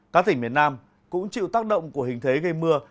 các tỉnh miền nam cũng chịu tác động của hình thế gây mưa